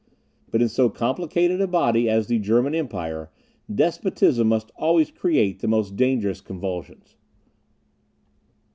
But in so complicated a body as the German empire, despotism must always create the most dangerous convulsions.